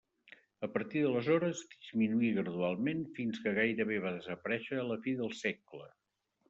A partir d’aleshores, disminuí gradualment fins que gairebé va desaparèixer a la fi del segle.